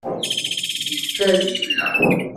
Ikad yella.